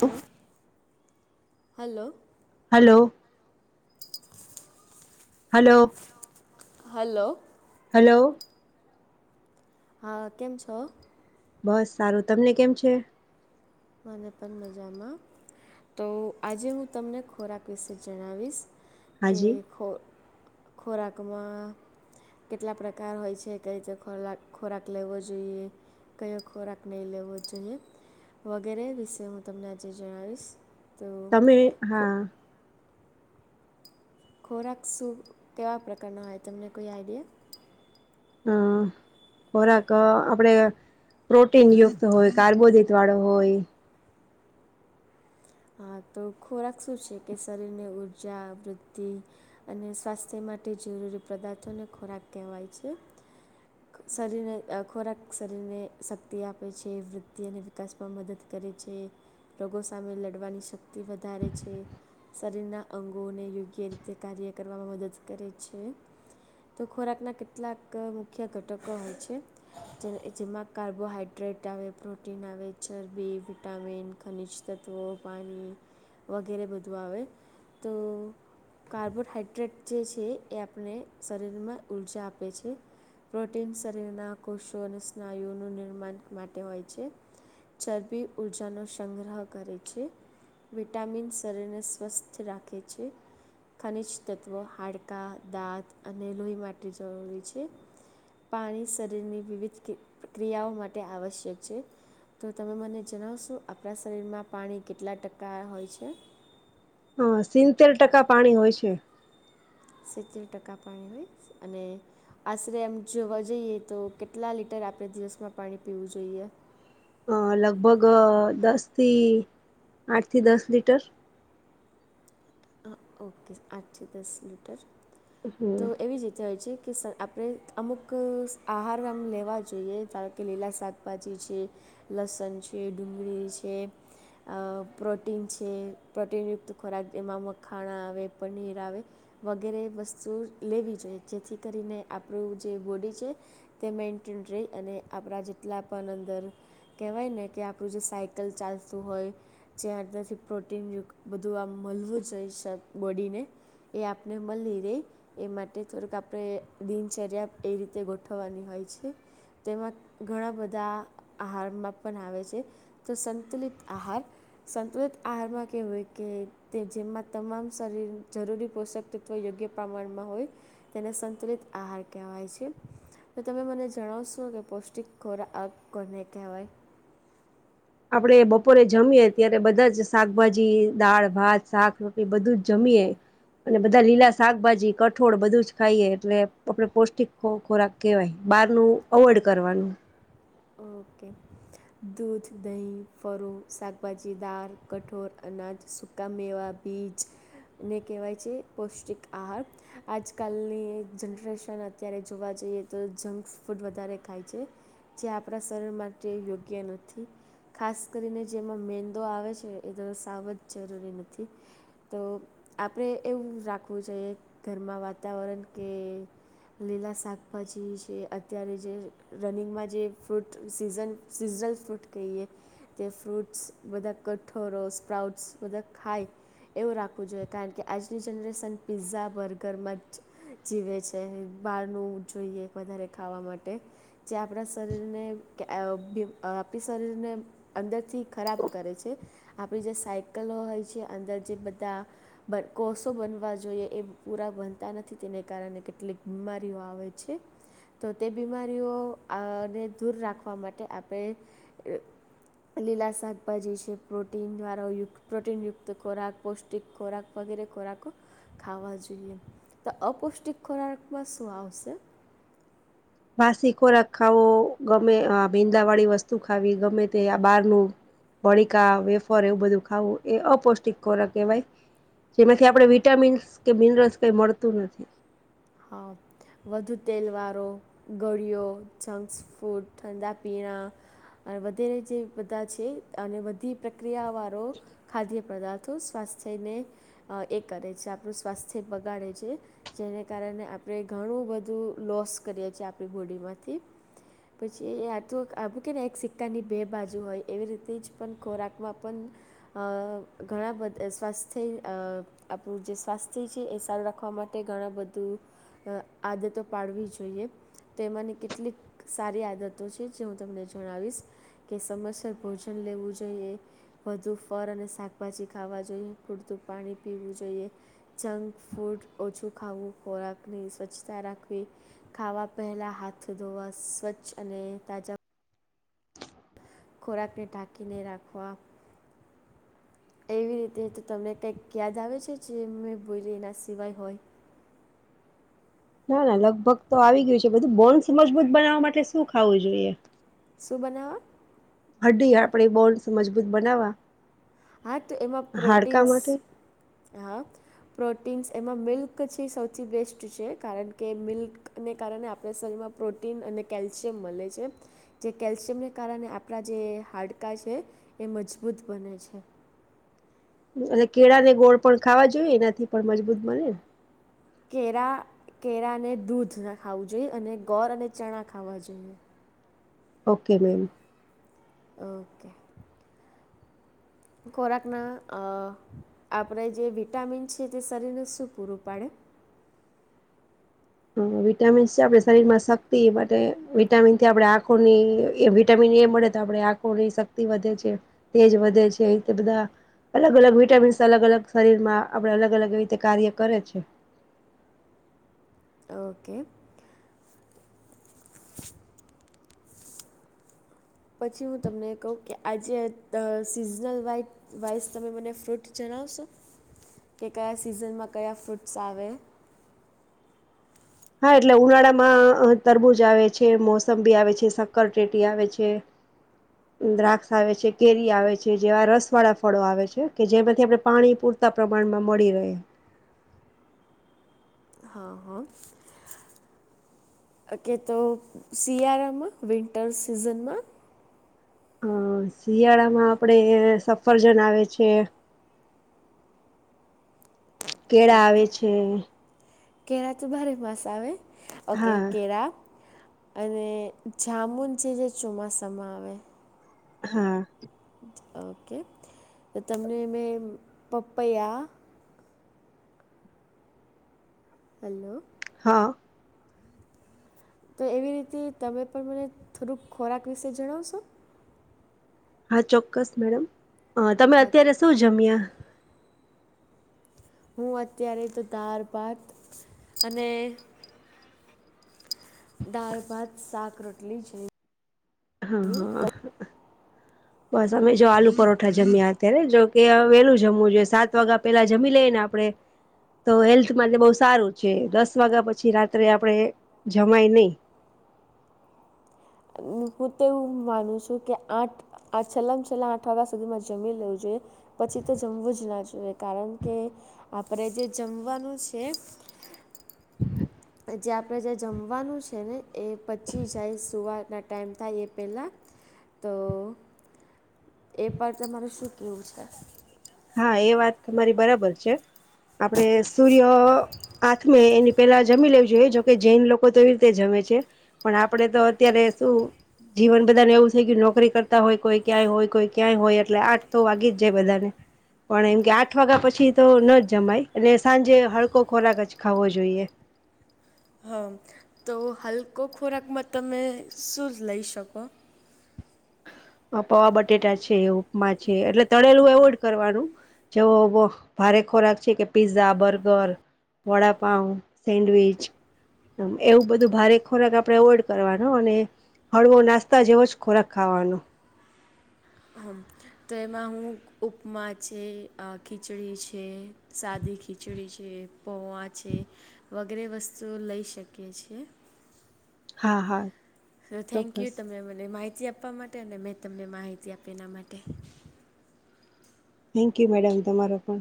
Hello hello. Hello. Hello. Hello. Hello. હા કેમ છો બસ સારું તમને કેમ છે. મને પણ મજામાં તો આજે હું તમને ખોરાક વિશે જણાવીશ કે હાજી ખો ખોરાકમાં કેટલા પ્રકાર હોય છે કઈ રીતે ખોરાક ખોરાક લેવો જોઈએ. કયો ખોરાક નહીં લેવો જોઈએ વગેરે વિશે હું તમને આજે જણાવીશ તો તમે ખો હા ખોરાક શું કેવા પ્રકારના હોય તમને કોઈ આઈડિયા હા ખોરાક અ આપણેે પ્રોટીન યુક્ત હોય કાર્બોહાડ્એટ વાળો હોય. હા તો ખોરાક શું છે કે શરીરને ઉર્જા વૃદ્ધિ અને સ્વાસ્થ્યમાં માટે જરૂરી પદાર્થોને ખોરાક કહેવાય છે. શરીરને અ ખોરાક શરીરને શક્તિ આપે છે વૃદ્ધિ અને વિકાસમાં મદદ કરે રે છે રોગો સામે લડ વાની શક્તિ વધારે છે શરીરના અંગોને યોગ્ય રીતે કાર્ય કરવામાં મદદ ક કરે છે. તો ખોરાકના કેટલાક મુખ્ય ઘટકો હોય છે જે જેમાં કાર્બોહાઈડ્રેટ ડ્રેટ આવે પ્રોટીન આવે ચરબી વિટામિન ખનીજ તત્વો પાણી વગેરે બધું આવે તો કાર્બોટહાઈડ્રેટ જે છે એ આપણે શરીરમાં ઉર્જા આપે છે. પ્રોટીન શરીરના કોશો અને સ્નાયુનુ નિર્માણ માટે હોય છે. ચરબી ઊર્જાનો સંગ્રહ કરે છે વિટામિન શરીરને સ્વસ્થ રાખે છે. ખનીજ તત્ત્વો હાડકા દાંત અને લોહી માટે જરૂરી છે. પાણી શરીરની વિવિધ ક્રિ ક્રિયાઓ માટે આવશ્યક છે. તો તમે મને જણાવશો આપણા શરીરમાં પાણી કેટલા ટકા હોય છે. હ સિતેર ટકા પાણી હોય છે. સિત્તેર ટકા પાણી હોય અને આશરે એમ જોવા જઈએ તો કેટલા લીટર આપણે દિવસમાં પાણી પીવું જોઈએ. અ લગભગ દસથી આઠથી દસ લીટર [inaudible] હા, ઓકે આઠથી દસ લીટર, તો એવી જ રીતે હોય છે કે સર આપણે અમુક આહાર આમ લેવા જોઈએ. ધારો કે લીલા શાકભાજી છે લસણ છે, ડુંગળી છે અ પ્રોટીન છે, પ્રોટીનયુક્ત ખોરાક એમાં ખાણા આવે, પનીર આવે વગેરે વસ્તુઓ લેવી જોઈએ. જેથી કરીને આપડુ જે બોડી છે તે મેન્ટેન રેય. અને આપડા જેટલા પણ અંદર કહેવાય ને કે આપડુ જે સાયકલ ચાલતું હોય જયા અંદરથી પ્રોટીનયુકત બધું આમ મલવું જોઈશે બોડીને એ આપને મલી રે એ માટે થોડુક આપડે દિનચર્યા એ રીતે ગોઠવવાની હોય હોય છે. તેમાં ઘણા બધા આહારમાં પણ આવે છે. તો સંતુલીત આહાર સતુલિત આહારમાં કેવુ હોય કે તે જેમા તમામ શરીર જરૂરી પોષક તત્વ યોગ્ય પ્રમાણમાં હોય તેને સંતુલિત આહાર કહે વાય છે. તો તમે મને જણાવશો કે પૌષ્ટિક ખોરા આક કોને કહેવાય? [inaudible] આપડે બપોરે જમીએે ત્યારે બધાજ શાકભાજી, દાળ ભાત, શાક, રોટલી બધું જ જમ પીયે આપડે બધા લીલા શાકભાજી, કઠોળ બધું જ ખાઈએ. એટલે આપડે પૌષ્ટિક ખો ખોરાક કેહેવાય. બહારનું અવોઇડ કરવાનું. ઓકે. દૂધ, દહીં, ફરું, શાકભાજી, દાળ, કઠોર અને સુકા મેવા, બીજ ને કહેવાય છે પૌષ્ટિક આહાર. આજકાલની જનરેશન અત્યારે જોવા જ જઈએ તો જંક ફૂડ વધારે ખાય છે. જે આપડા શરીર માટે યોગ્ય નથી. ખાસ કરીને જેમાં મેંદો આવે છે એ દર સાવ જ જરૂરી નથી. તો આપડે એવું રાખવું જોઈએ ઘરમાં વાત વાતાવરણ કે લીલા શાકભાજી છે. અત્યારે જે રનિંગમાં જે ફ્રૂટ સીઝન સિઝનલ ફ્રૂટ કહીએ તે ફ્રૂટ્સ બધા કઠોરો સ્પ પ્રાઉટસ બધા ખાય એવું રાખવું જોઈએ. કારણ કે આજની જનરેશન પીઝા, બર્ગર, મચ જીવે છે. બહારનું જોઈએ વધારે ખાવા માટે જે આપડા શરીરને [unintelligible] આપી શરીરને અંદરથી ખરાબ કરે છે. આપ જે સાયકલો હોય છે, અંદર જે બધા કોષો બનવા જોઈએ એ પૂરા તા નથી. તેને કારણે કેટલીક બીમારીઓ આવે છે. તો તે બીમારીઓ ને દૂર રાખવા માટે આપે લીલા શાકભાજી છે, પ્રોટીન દ્વારા યુકત પ્રોટીનયુક્ત ખોરાક, પૌષ્ટિક ખોરાક વગેરે ખોરાકો ખાવા જોઈએ. તો અપૌષ્ટિક ખોરાકમાં શું આવશે? [inaudible] વાસી ખોરાક ખાવો ગમે, આ ભીંદાવાળી વસ્તુ ખાવી ગમે, તે આ બારનું પડીકા, વેફર એવું બધું ખાવું એ અપૌષ્ટિક ખોરાક કહેવાય. જેમાંથી આપડે વિટામિન્સ કે મિનરલ્સ કઈ મળતું નથી. હા વધુ તેલવારો, ગળિયો, જંક્સ ફૂડ, ઠંડા પીણા વધેરે જે બધા છે અને વધી પ્રક્રિયા વાળો ખાદ્ય પદાર્થ થું સ્વાસ્થ્યને અ એ કરે છે આપડુ સ્વાસ્થ્ય બગાડે છે. જેને કારણે આપડે ઘણું બધું લોસ કરીએ છીએ આપડી બોડીમાંથી પછી એ આ તો આપુ કેરાય એક સિક્કાની બે બાજુ હોય. એવી રીતે જ પણ ખોરાકમાં પણ અ ઘણા બધા સ્વાસ્થ્ય અ આપડુ જે સ્વાસ્થ્ય છે એ સારું રાખવા માટે ઘણા બધું અ આદતો પાડવી જોઈએ. તો એમાંની કેટલીક સારી આદતો છે જે હું તમને જણાવીશ કે સમયસર ભોજન લેવું જોઈએ વધુ ફળ અને શાકભાજી ખાવા જોઈએ પૂરતું પાણી પીવું જોઈએ જંક ફૂડ ઓછું ખાવું ખોરાકની સ્વચ્છતા રાખવી ખાવા પહેલા હાથ ધોવા સ્વચ્છ અને જબ ખોરાકને ઢાંકીને રાખવા એવી રીતે તો તમને કઈક યાદ આવે છે જે મે બોલી એના સિવાય હોય [inaudible] ના ના લગભગ તો આવી ગયું છે બધું બોન્સ મજબૂત બનાવવા માટે શું ખાવું જોઈએ શું બનાવા હ્ આપડે બોન્સ મજબૂત બનાવવા હા તો એમાં હાડકા પ્રોટીન્સ માટે હા પ્રો પ્રોટીન્સ એમાં મિલ્ક છે સૌથી બેસ્ટ છે કારણ કે મિલ્કને કારણે આપણે શરીરમાં પ્રોટી પ્રોટીન અને કેલ્શિયમ મળે છે જે કેલ્શિયમને કારણે આપણા જે હાડકા છે એ મજબૂત બને છે અને કેળા ને ગોળ પણ ખાવા જોઈએ એનાથી પણ મજબૂત બને કેરા કેળા અને દૂધ ના ખાવું જોઈએ અને ગોળ અને ચણા ખાવા જોઈએ ઓકે મેમ ઓકે ખોરાકના અ આપણે જે વિટામિન છે તે શરીરને શું પૂરું પાડે [inaudible] હ વિટામીન્સ છે આપણે શરીર માં શક્તિ માટે વિટામિનથી આપડણે આંખોની વિટામીન એ મળે તો આપે આંખોની શક્તિ વધે છે તેજ વધે છે એ રીતે બધા અલગ અલગ વિટામિન્સ અલગ અલગ શરીર માં આપણે અલગ અલગ એવી રીતે કાર્ય કરે છે ઓકે [inaudible] પછી હું તમને કહું કે આજે સિઝનલ વાઇઝ તમે મને ફ્રૂટ ચ કે કયા સિઝનમાં કયા ફ્રૂટ્સ આવે હા એટલે ઉનાળામાં તરબૂજ આવે છે મોસંબી આવે છે શક્કરટેટી આવે છે દ્રાક્ષ આવે છે કેરી આવે છે જેવા રસ વાળા ફળો આવે છે કે જેમાંથી આપણે પાણી પૂર પતા પ્રમાણમાં મળી રહે [inaudible] હા કે તો શિયાળામાં વિન્ટર સિઝનમાં હમ શિયાળામાં આપણેે સફરજન આવે છે [inaudible] કેળ આવે ઓકે છે કેળા તો ભારે મસ આવે ઓકે હા કેળા અને જાામુન જે જે ચોમાસામાં આવે હા ઓકે તો તમને મેં પપૈયા હલો હા તો એવી રીતે તમે પણ મને થોડુંક ખોરાક વિશે જણાવશો હા ચોક્કસ મેડમ અ તમે હા તો અત્યારે શું જમ્યા હું અત્યારે તો તાર પાત અને દાલ ભાત શાક રોટલી છે હા હા [inaudible] બસ અમે જો આલુ પરોઠા જમ્યા અત્યારે જો કે વેલું જમવું જોઈએ સાત વાગ્યા પેલા જમી લઈએને આપડે પે તો હેલ્થ માટે બહુ સારું છે દસ વાગ્યા પછી રાત્રે આપડે જમાય નહી [inaudible] હું તો એવું માનું છું કે આઠ છેલ્લા છેલ્લાં આઠ વાગ્યા સુધીમાંરે જમીન લેવું જોઈએ. પછી તો જમવું જ ના જોઈએ કારણ કે આપણે જે જમવાનું છે. [inaudible] જે આપણે જે જમવાનું છે ને એ પછી જાય સુવારના ટાઈમ થાય એ પહેલાં તો એ પર તમારે શું કેવું છે. હા એ વાત તમારી બરાબર છે. આપડે સૂર્ય આાથમે એની પેલા જમી લેવ જોઈએ જોકે જૈન લોકો તો એવી રીતે જમે છ પણ આપડે તો અત્યારે શું જીવન બધાને એવું થઈ ગયું નોકરી કરતા હોય કોઈ ક્યાંય હોય કોઈ ક્યાંય હોય એટલે આઠ તો વાગી જ જાય બધાને પણ એમ કે આઠ વાગ્યા પછી તો ન જ જમાય અને સાંજે હડકો ખોરાક જ ખાવો જોઈએ. [inaudible] હા તો હલકો ખોરાકમાં તમે શું જ લઈ શકો પવા બટેટા છે, ઉપમા છે, એટલે તળેલું એવોઈડ કરવાનું. જેવો ભારે ખોરાક છે કે પીઝા, બર્ગર વડાપઉ, સેન્ડવીચ એવું બધું ભારે ખોરાક આપણેે અવોઈડ કરવાનો અને હળવો નાસ્તા જેવો જ ખોરાક ખાવાનો તો એમાં હું ઉપમા છે, ખીચડી છે, સાદી ખીચડી છે છે પોવાં છે, વગેરે વસ્તુઓ લઈ શકીઈએ છીએ. હા હા થેન્ક યુ ચોક્કસ તમને મને માહિતી તી આપવા માટે અને મેં તમને માહિતી આપી એના માટે થેન્ક યુ મેડમ તમારો પણ